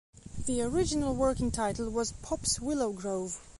The original working title was "Pop's Willow Grove".